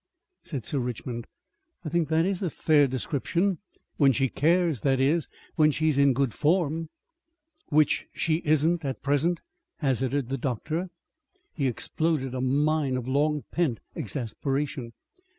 "H'm," said Sir Richmond. "I think that is a fair description. When she cares, that is. When she is in good form." "Which she isn't at present," hazarded the doctor. He exploded a mine of long pent exasperation.